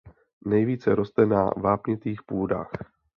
Nejvíce roste na vápnitých půdách.